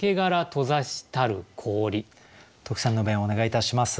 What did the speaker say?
特選の弁をお願いいたします。